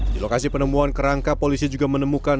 di lokasi penemuan kerangka polisi juga menemukan